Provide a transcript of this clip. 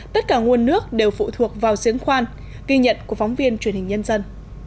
tất cả nguồn nước đều phụ thuộc vào diễn khoan ghi nhận của phóng viên truyền hình nhân dân